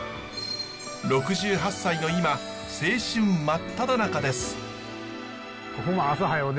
６８歳の今青春真っただ中です。